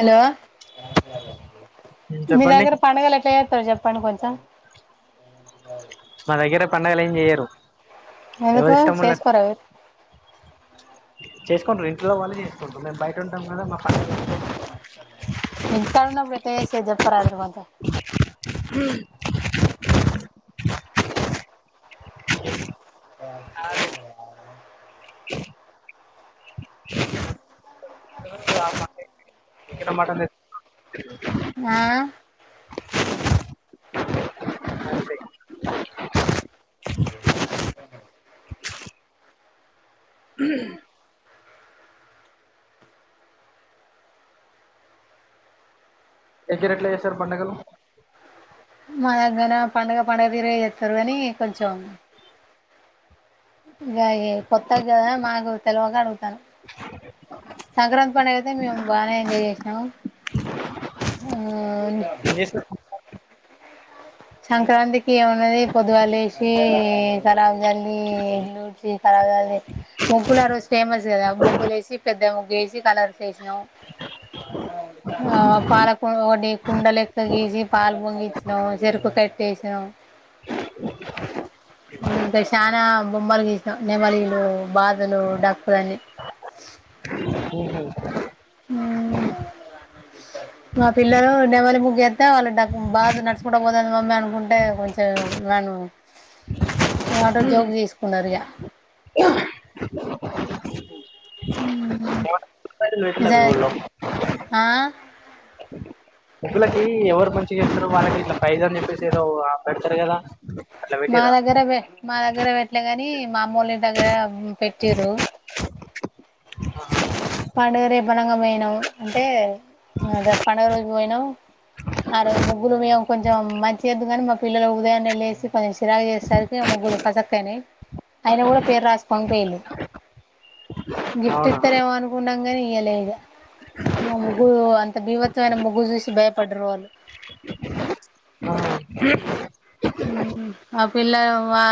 Hello మీ చెప్పండి దగ్గర పండగల ఎట్లా చేస్తారో చెప్పడి కొంచెం మా దగ్గర పండగలు ఏం చెయ్యరు ఎవరి ఎందుకో ఇష్టం ఉన్నట్టు చేసుకోరా ఎవ్వరు చేసుకుంటురు ఇంట్లో వాళ్ళే చేసుకుంటారు మేము బయట ఉంటాం కదా మా ప ఇంటికాడ ఉన్నప్పుడు ఎట్లా చేసేది చెప్పు పారదు మాకు ఆ ఆ చికెన్, మటన్ తెచ్చుకొని ఆ మీ దగ్గర అట్లా చేస్తారు పండగలు మా దగ్గర పండగ పండుగ తీరే చేస్తారు కాని కొంచెం ఇగా కొత్తాగ కదా మాకు తెల్వ అడుగుతా సంక్రాంతి పండుగ అయితే మేము బానే ఎంజాయ్ చేసినాము ఏ స సంక్రాంతి ఏమన్నది పొదుగల లేసి కళ ల్లిడ్చ కల ముగ్గులు ఆ రోజు ఫేమస్ కదా ముగ్గులు వేసి పెద్ద ముగ్గు వేసి కలర్ చేేసినాం ఆ పాలకు ఒకటి కుండల ఎెక్క గసి పాల పొంగిచ్చినాం చెరుకు కట్ వేసాం ఇంకా చాలా బొమ్మలు గసాం నెమలిలు బాధలు డకులన్నీ ఉహ హమ్ మా పిల్లలు డెమలి ము ఎస్తతే వాళ్ళు బాగా నడుచకుంట పోతుంది మమ్మీ అనుకుంటే కొంచెంను ఇంట జోక్ చేసుకున్నారు ఇగ హమ్ ఆ [unintelligible] ము్లకి ఎవరు మంచిగా ఇస్తారు వాళ్ళకి ఇట్లా ప్రైజ అని చెప్పేసి ఏదో పెడతరు కద మాదగ్గర బే మాదగ్గ దగ్గర పెట్లేగాని మామూలు దగర పెట్టిర్రు పండుగ రేప్ అనగ పోయినామ్ అంటే దే పండగ రోజ పోయినా ఆ రోజు ముగ్గులు మేము కొంచెం మంచి చేద్దు కానీ మా పిల్లలు ఉదయాన్నే లేేసి కొంచెం చిరాగా చేసరికి ముగ్గులు ఫసక్కయినా అయిన కూడా పేరు రాసుకొని పోయిళి గిఫ్ట్ అవునా ఇత్తరు ఎవ కున్నాంగాని ఇయలేదు మా ముగ్గు అంత భీవత్మైన ముగ్గు చూసి భయపడరు వాళ్ళు ఆ, ఆ పిల్ల మా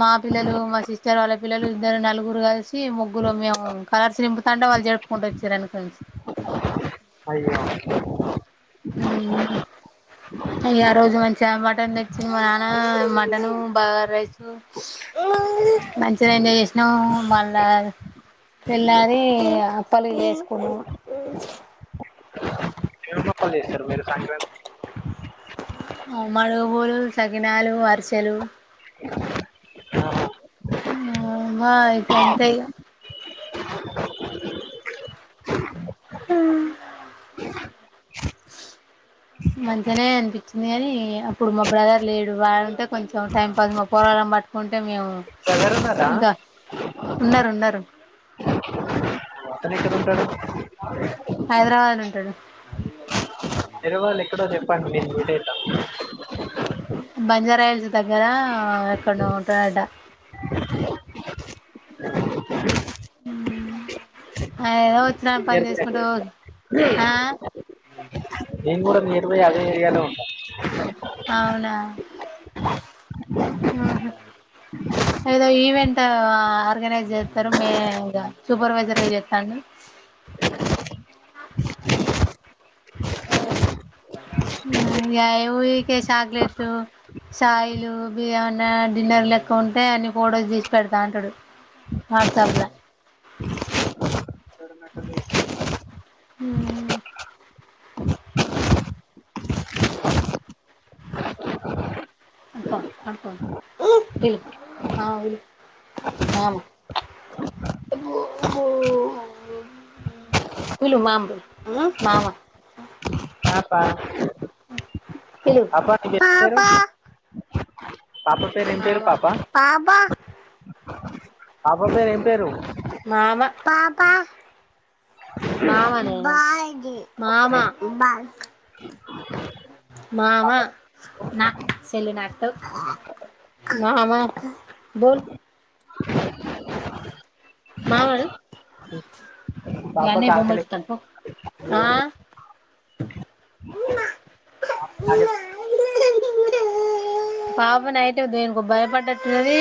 మా పిల్లలు మా సిస్టర్ వాళ్ళ పిల్లలు ఇద్దరు నలుగురు కలిసి ముగ్గులు మేము కలర్స్ నింపుతంటే వాళ్ళు జడుపుకుంటూ వచ్చారుని ఫ్రెండ్స్ అయ్యో హమ్ ఆ రోజు మంచిగా మటన్ తెచ్చింది మా నాన్న మటన్ బగర్ రైస్ మంచిగా ఎంజాయ్ చేసినాము మళ్ళా పెళ్ళారి అప్పలు వేసుకున్నాము హోలీ వేస్తారా మీరు సంక్రాంతికి ఆ మడు పూలు సకినాలు అరిసెలు మా ఇగ అంతే ఇగ మంచిగానే అనిపించింది కాని అప్పుడు మా బ్రదర్ లేడు వాళంటే కొంచెం టైం పాస్ మా పోరావలం పట్టుకుంటే మేము బ్రదర్ ఉన్నారా ఇంకా ఉన్నారు ఉన్నారు అతను ఎక్కడ ఉంటాడు హైదరాబాద్ లో ఉంటడు ఎరవళ్ళు ఎక్కడో చెప్ప నేన్ మీట్ అయిత బంజారా హిల్ దగ్గర ఎక్కన ఉంటడ ఆ ఏదో ఇ పని చేసుకుంట ఆ నేను కూడ నయర్ బై అదే చేయాలి అంట అవునా ఏదో ఈవెంట్ ఆర్గనైజ్ చేస్తరు మే సూపర్వైజర్గా చెస్తాం ఇ ఊక చాక్లెట్లు సాయిలు బి ఏమన్నా డిన్నర్ లెక్క ఉంటే అన్ని ఫొటోస్ తీసి పెడతా అంటాడు వాట్సాప్ లో హమ్ అ అం పిలు పిలు మామ మామ పిలు మామ్ పిలు మామ పాప. పిలువు. పాప నీ బిడ్డ పేరు పాప పేరు ఏం పేరు పాప మామ. పాప పేరు ఏం పేరు. మామ. మామ నే. ఒక్క మామ. నిమిషం. పాప మామా నా సేల్ నాకుతవ్ మామా బోల్. మామ అను. మీ పాపకి అన్నయ్య బొమ్మల్ ఆకలి చూతన్నాడు పో. ఆహ్. పాప నైట్ దేనికో భయపడ్డట్టున్నది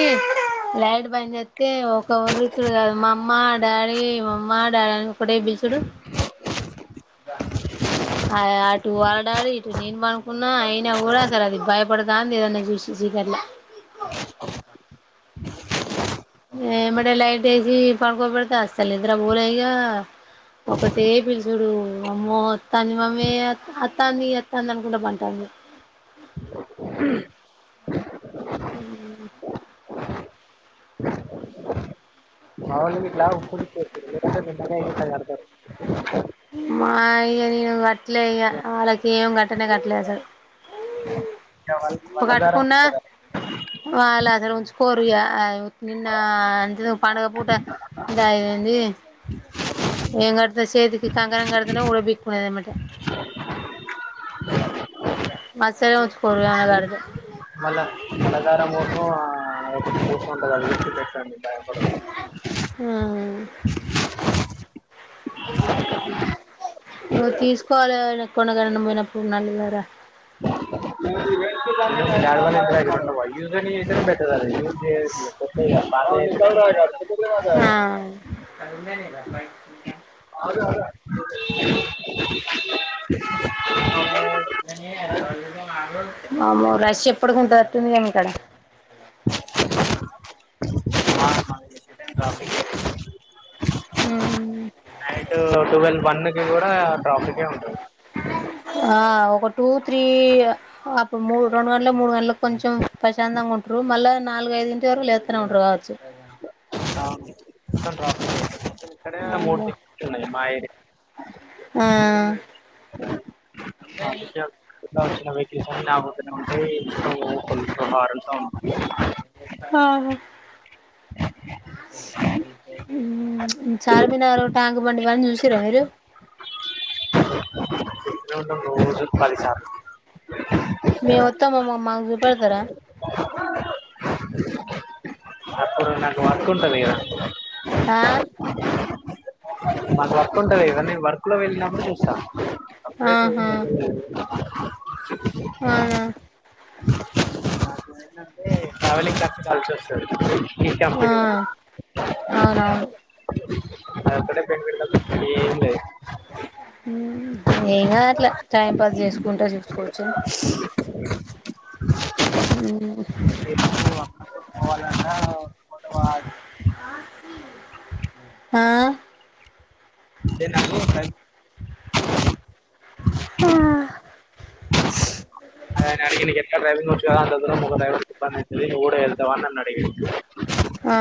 లైట్ బంద్ చేస్తే ఒక వర్లీచ్చుడు కాదు. మా అమ్మ డాడీ మామ్మ డాడీ అని ఒకటే బిల్చుడు. అటు వాళ్ళ డాడీ ఇటు నేను పనుకున్నా అయినా కూడా అసలు అది భయపడతంది ఏదన్నా. ఈ చీ చీకట్లా. ఏమంటే లైట్ వేసి పడుకోబెడితే అసలు నిద్రపోలేదు. ఇగ ఒకటే పిలుచుడు అమ్మో వత్తంది మమ్మీ వత్తంది వత్తింది అనుకుంటా పండుతొంది. ఊహు. అవును ఇది. [unintelligible] [unintelligible] మా అయ్యా నేను కట్టలేయ్యా వాళ్ళకి ఏం కట్టనే కట్టలే అసలు. వాళ్లు మల్ల దారం వస్తారు వాళ్లు. వాళ్ళ అసలు ఉంచుకోరుగా ఆహ్ నిన్న అంత పండగ పూట ఇంత అయింది. నేను కట్టిన చేతికి కంకణం కడితేనే ఉడపికునేదనమాట. అసలే ఉంచుకోరు. [unintelligible] మళ్ళా నల్లధరంను ఆహ్ ఒక కూసంటది అది తెచ్చి కట్టండి. ఉమ్ తీసుకోవాలి కొండగణం పోయినప్పుడు నల్లిలార. [unintelligible] గేర్లు కొత్తయా. అగొ ఎంతకు రాడు వాడు. ఆహ్ అవి ఉన్నాయి కదా పైపులు ఇంకా. వామ్మో రష్ ఎప్పుడు గుంటట్టు ఉంది కదా మీ కాడ. ఉమ్ ట్రాఫిక్ ఉహ్మ్. టువెల్, వన్ను కి కూడా ట్రాఫికే ఉంటది. ఆహ్ ఒక టూ త్రీ అప్పుడు మూడు రెండు గంటలకు మూడు గంటలకు కొంచెం ప్రశాంతంగ ఉంటరు. మళ్ళా నాలుగైదింటి వరకు లేస్తనే ఉంటరు కావచ్చు. ఇగ. ఇక్కడ మూడు దిక్కులున్నాయి మా ఏరియ. ఆ ట్రాఫిక్ జామ్ [unintelligible] హా చార్మినారు ట్యాంక్బండ్ ఇవన్నీ చూసిర్రా మీరు చూస్తనే ఉంటం రోజూ పదిసార్లు మేం వత్తంమమ్మ మాకు చూ పెడతరా ఇప్పుడు నాకు వర్క్ ఉంటది కదా ఆ మాకు వర్క్ ఉంటంది కదా నేను వర్క్ లో వెళ్ళినప్పుడు చూస్తా అప్డేట్ ఆహా అవునా ఏంటంటే ట్రావెలింగ్ కర్చు కలిసొస్తది ఆ అవునవును ఆడ [unintelligible] ఏం లేదు ఏం కాదు అట్ల టైం పాస్ చేసుకుంటా చూసుకోవచ్చు అని హ్మ్ అ [unintelligible] ఆ నాకు ఆ నన్ను అడిగింది నీకెట్ల డ్రైవింగ్ వచ్చు కదా అంత దూరం ఒక డ్రైవర్ కి ఇబ్బంది అయితది నువు కూడ వెళ్తావ అని నన్ను అడిగింది. ఆ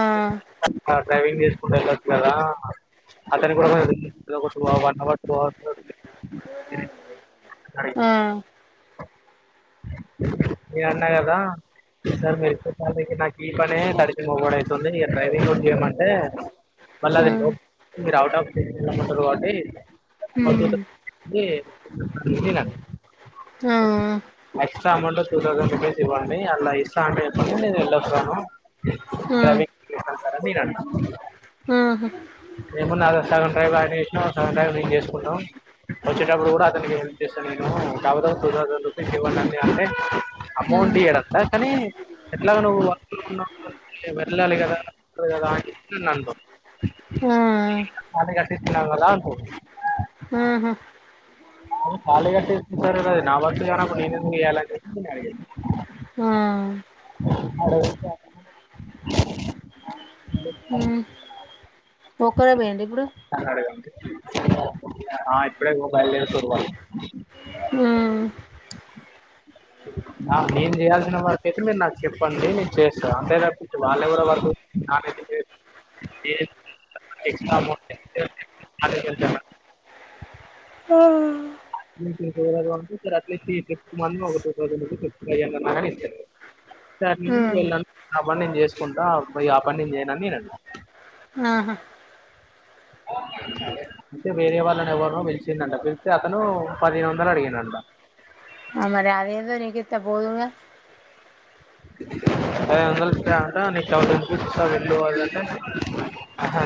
డ్రైవింగ్ చేసుకుంటు వెళ్ళొచ్చు కదా అతనికి కూడ relief one hour two hour ఆ నే అన్న కదా, సార్ మీరు నాకిచ్చే సాలరికీ నాకు ఈ పనే తడిసి మోపెడు అవుతుంది, ఇంక డ్రైవింగ్ కూడ చేయమంటే, మళ్ళ అది మీరు అవుట్ ఆఫ్ కీ వెళ్ళమంటుర్రు కాబట్టి హ్మ్ ఆ extra amount two thousand rupees ఇవ్వండి, అలా ఇస్తా అంటే చెప్పండి నేను వెళ్ళొస్తాను, ఆ డ్రైవింగ్ ఎళ్ళొస్తా సార్ అని నేనన్న ఆ హా ఇంతకు ముందు సగం డ్రైవ్ ఆయన చేసినా, సగం డ్రైవ్ నే చేసుకున్నాం, వచ్చేటప్పుడు కూడ అతనికి హెల్ప్ చేశా నేను కాకపోతే టూ థౌసండ్ రూపీస్ ఇవ్వండనీ నేను అంటే, ఆ అమౌంట్ ఇయ్యడంట కానీ ఎట్లా నువ్వు వర్క్ మీద అటు వెళ్ళాలి కదా. అనీ అంటుండు ఆ నీకింకా బానే కట్టిస్తున్నం కదా అంటుండు ఆహా బానే కట్టిస్తుంటరు, నా వర్క్ కానప్పుడు నేను ఎందుకు చెయ్యలని నేను అడిగిన. ఆ అడిగితే ఆయన హ్మ్ ఒక్కరే పోయండ ఇప్పుడు అతను అడిగాను ఆ ఇప్పుడే బయలుదేరి హ్మ్ [unintelligible] నాకు నేను చేయాల్సిన వరక్కయితే మీరు నాకు చెప్పండి నేను చేస్తాను అంతేకాకపోతే వాళ్ళెవరో వర్కు [unintelligible] [unintelligible] అట్లీస్ట్ ఈ ఫిఫ్ట్ మ ఒక టూ థౌసండ్ రుపీస్ ఎక్స్ట్రా ఇవ్వండి అన్నా గాని ఇస్తరు కాని హ్మ్ నా పని నేను చేసుకుంటా పో ఆ పనిడి నేను చేయనని ననండి. ఆహా అంటే వేరే వాళ్ళని ఎవరినో పిలిచిండంట పిలిస్తే అతను పదిహేను వందలు అడిగిండంట. త పోదునుగా ఐదు వందలు ఇస్తాడంట నీకు థౌసండ్ రూపీస్ ఇస్తా వెళ్ళువాలంటే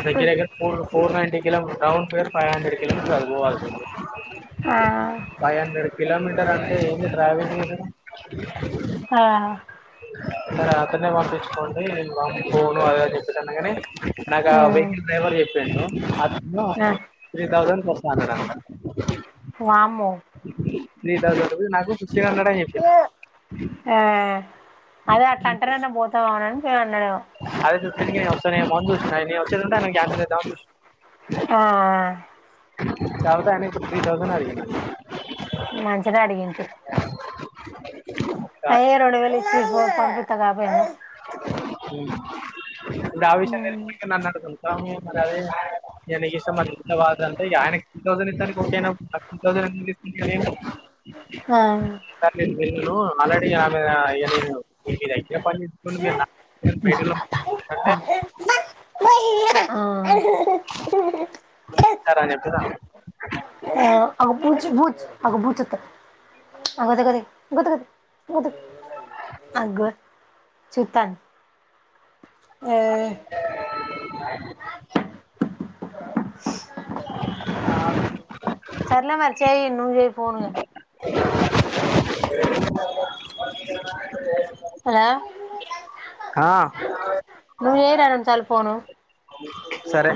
దగ్గర దగ్గర four four ninety kilometre round figure five hundred kilometre అది పోవాల్సింది ఆ ఫైవ్ హండ్రెడ్ కిలోమీటర్ అంటే ఏంది డ్రైవింగ్ ఆ సరే అతనే పంపించుకోండి నేను మా పోను అది చెప్పేసి అనంగానే నాకు ఆ హ్మ్ వెహికల్ డ్రైవర్ చెప్పిండు ఆ త్రీ థౌసండ్ వస్తా అన్నాడు అన్న వా నీ [unintelligible] నాకు సిక్స్హండ్రెడ్ అని చెప్పింది. ఆ అదే అట్లా అంట్రానన్నా పోతావా సెవన్ అదే [unintelligible] సో నే మందు వచ్చిన నే వచ్చేదుంటే గ్యాస్ ఆ చవితి ఆయనే ఫిఫ్టీ థౌసహండ్ అడిగిండు. మంచినే అడిగిండు తియ్ య్ రెండూ వేలు ఇచ్చేయ్ పో పంపితే కాక అ హ్మ్ ఇప్పుడు ఆ విషయం తెలిస్తే ఇంకా నన్ను అడగుతాడు. మరి అది నీ ఇష్టం అది [unintelligible] అంటే ఆయనకి టూ థౌసండ్ ఇస్తానికి ఒకే అన్నప్పుడు నాకు టూ థౌసండ్ [unintelligible] ఆ [unintelligible] నేను ఆల్రెడీ ఆమె [unintelligible] ఇగా నేను మీ దగ్గర చేసుకుని మీరు నా బయటకు రమ్మంటే [unintelligible] ఆ [unintelligible] అని చెప్పిన అగో బూచ్ [unintelligible] ఏ సర్లే మరి చేయ్ నువ్ చేయ్ ఫోన్ కానీ హలో ఆ నువ్వు చెయ్యరాదు అంతల్ ఫోను సరే